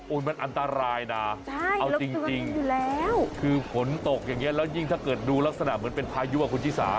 มันอันตรายนะเอาจริงคือฝนตกอย่างนี้แล้วยิ่งถ้าเกิดดูลักษณะเหมือนเป็นพายุอ่ะคุณชิสา